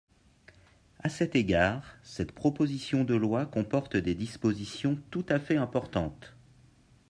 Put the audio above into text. À cet égard, cette proposition de loi comporte des dispositions tout à fait importantes.